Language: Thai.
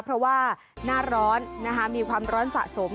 เพราะว่าหน้าร้อนมีความร้อนสะสม